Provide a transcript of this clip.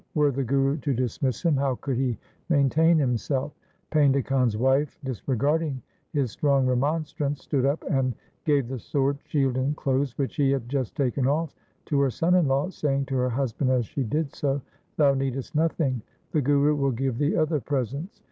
Were the Guru to dismiss him, how could he maintain himself ? Painda Khan's, wife dis regarding his strong remonstrance, stood up, and gave the sword, shield, and clothes which he had just taken off to her son in law, saying to her hus band as she did so, 'Thou needest nothing; the Guru will give thee other presents.